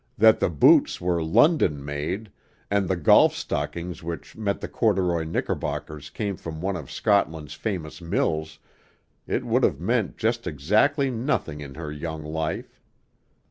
that the boots were London made, and the golf stockings which met the corduroy knickerbockers came from one of Scotland's famous mills, it would have meant just exactly nothing in her young life.